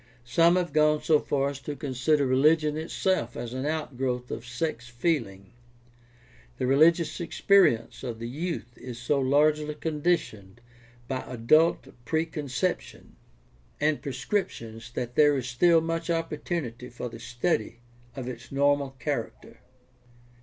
Some have gone so far as to consider religion itself as an outgrowth of sex feeling. The religious experience of the youth is so largely conditioned by adult preconception and prescriptions that there is still much opportunity for the study of its normal character.